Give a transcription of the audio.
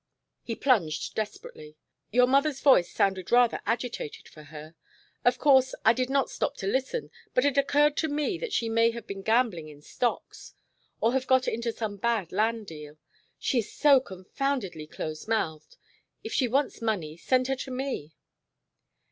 He plunged desperately. "Your mother's voice sounded rather agitated for her. Of course I did not stop to listen, but it occurred to me that she may have been gambling in stocks, or have got into some bad land deal. She is so confoundedly close mouthed if she wants money send her to me."